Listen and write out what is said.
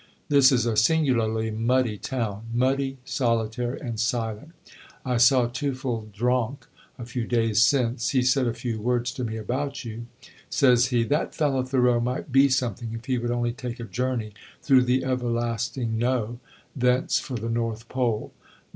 ] "This is a singularly muddy town; muddy, solitary, and silent. I saw Teufelsdröckh a few days since; he said a few words to me about you. Says he, 'That fellow Thoreau might be something, if he would only take a journey through the Everlasting No, thence for the North Pole.